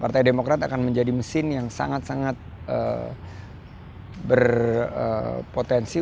partai demokrat akan menjadi mesin yang sangat sangat berpotensi